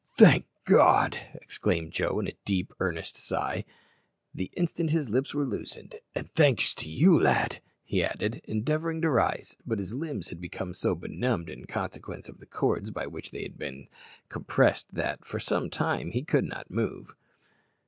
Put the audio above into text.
"Thank God!" exclaimed Joe with a deep, earnest sigh, the instant his lips were loosened, "and thanks to you, lad!" he added, endeavouring to rise; but his limbs had become so benumbed in consequence of the cords by which they had been compressed that for some time he could not move.